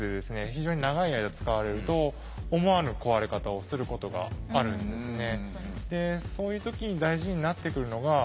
非常に長い間使われると思わぬ壊れ方をすることがあるんですね。